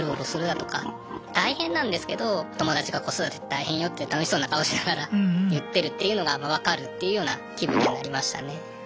大変なんですけど友達が子育て大変よって楽しそうな顔しながら言ってるっていうのが分かるっていうような気分になりましたね。